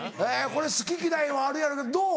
これ好き嫌いはあるやろうけどどう？